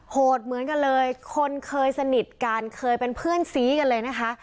โหดเหมือนกันเลยคนเคยสนิทกันเคยเป็นเพื่อนซี้กันเลยนะคะ